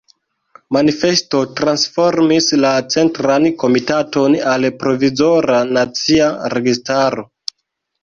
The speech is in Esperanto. Manifesto transformis la Centran Komitaton al Provizora Nacia Registaro.